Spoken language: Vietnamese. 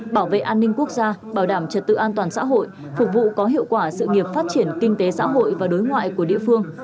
bảo vệ an ninh quốc gia bảo đảm trật tự an toàn xã hội phục vụ có hiệu quả sự nghiệp phát triển kinh tế xã hội và đối ngoại của địa phương